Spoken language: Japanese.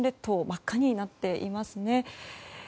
真っ赤になっていますね。